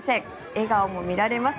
笑顔も見られます。